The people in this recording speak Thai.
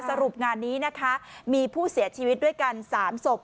สรุปงานนี้นะคะมีผู้เสียชีวิตด้วยกัน๓ศพ